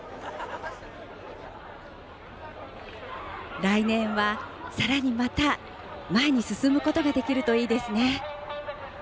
来年は、さらにまた前に進むことができるといいですね。